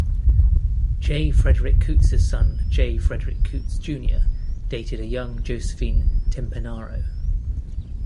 J. Frederick Coots' son, J. Frederick Coots Junior dated a young Josephine Timpenaro.